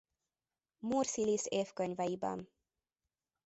Murszilisz évkönyveiben.